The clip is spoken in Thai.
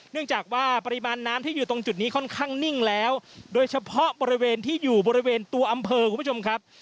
เนื่องจากว่าปริมาณน้ำที่อยู่ตรงจุดนี้ค่อนข้างนิ่งแล้วโดยเฉพาะบริเวณที่อยู่บริเวณตัวอำเภอคุณผู้ชมครับ